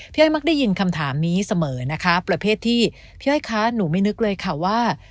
อ้อยมักได้ยินคำถามนี้เสมอนะคะประเภทที่พี่อ้อยคะหนูไม่นึกเลยค่ะว่า